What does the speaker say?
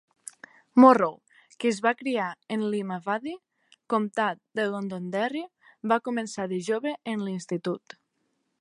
Morrow, que es va criar en Limavady, comtat de Londonderry, va començar de jove en l'Institut.